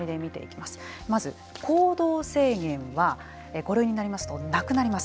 まず、行動制限は５類になりますとなくなります。